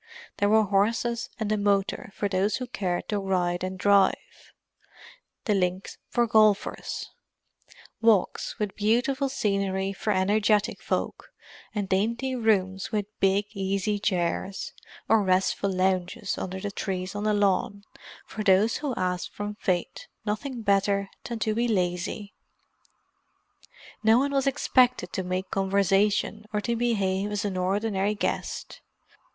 There were horses and the motor for those who cared to ride and drive; the links for golfers; walks with beautiful scenery for energetic folk, and dainty rooms with big easy chairs, or restful lounges under the trees on the lawn, for those who asked from Fate nothing better than to be lazy. No one was expected to make conversation or to behave as an ordinary guest.